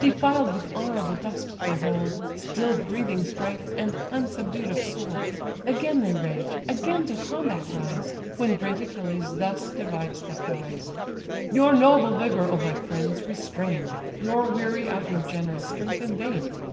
Defiled with honourable dust they roll, Still breathing strife, and unsubdued of soul: Again they rage, again to combat rise; When great Achilles thus divides the prize: "Your noble vigour, O my friends, restrain; Nor weary out your generous strength in vain.